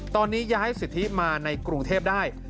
ตอนนี้ย้ายสิทธิมาในกรุงเทพได้